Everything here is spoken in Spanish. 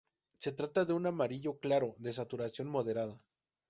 Se trata de un amarillo claro, de saturación moderada.